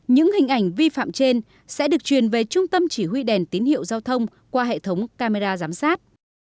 những hình ảnh vi phạm trên sẽ được truyền về trung tâm chỉ huy đèn tín hiệu giao thông qua hệ thống camera giám sát